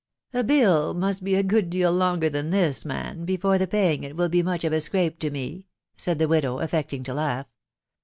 " A bill must be a good deal longer than this is, man, be fore the paying it will be much of a scrape to me," said the widow, affecting to laugh.